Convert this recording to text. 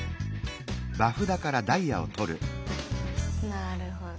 なるほど。